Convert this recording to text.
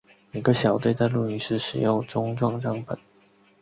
每个小队在露营时使用钟状帐篷。